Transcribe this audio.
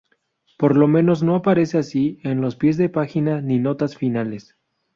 Por lo menos no aparece así en los pies de página ni notas finales.